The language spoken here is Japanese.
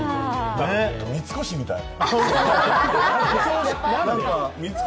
三越みたい。